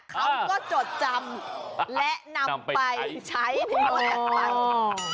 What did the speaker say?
เขาก็จดจำและนำไปใช้เป็นจากบ้าน